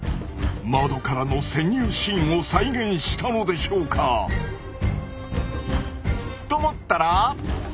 窓からの潜入シーンを再現したのでしょうか。と思ったら。